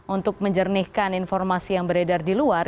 untuk menjernihkan informasi yang beredar di luar